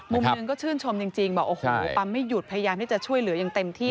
มุมหนึ่งก็ชื่นชมจริงบอกโอ้โหปั๊มไม่หยุดพยายามที่จะช่วยเหลืออย่างเต็มที่